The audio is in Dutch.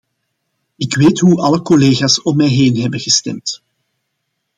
Ik weet hoe alle collega's om mij heen hebben gestemd.